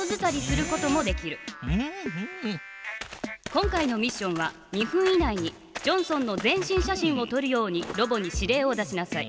今回のミッションは２分以内にジョンソンの全身写真をとるようにロボに指令を出しなさい。